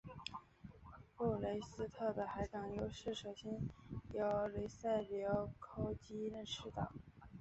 布雷斯特的海港优势首先由黎塞留枢机认识到。